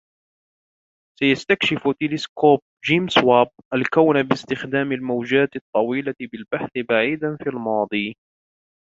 سيستكشف تلسكوب جيمس واب الكون باستخدام الموجات الطويلة بالبحث بعيدا في الماضي